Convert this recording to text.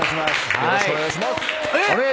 「よろしくお願いします」